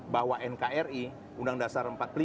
bahwa nkri undang dasar